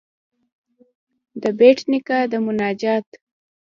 ددبېټ نيکه مناجات.